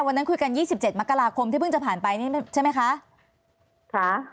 วันนั้นคุยกัน๒๗มกราคมที่เพิ่งจะผ่านไปนี่ใช่ไหมคะค่ะ